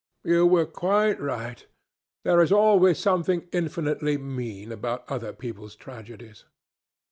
"You were quite right. There is always something infinitely mean about other people's tragedies."